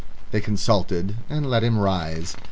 They consulted and let him rise.